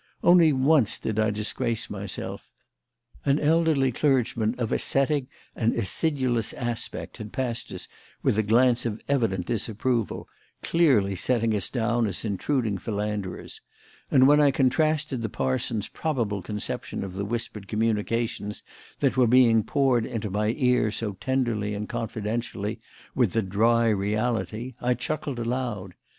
Only once did I disgrace myself. An elderly clergyman of ascetic and acidulous aspect had passed us with a glance of evident disapproval, clearly setting us down as intruding philanderers; and when I contrasted the parson's probable conception of the whispered communications that were being poured into my ear so tenderly and confidentially with the dry reality, I chuckled aloud.